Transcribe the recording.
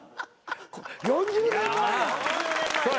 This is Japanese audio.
４０年前や。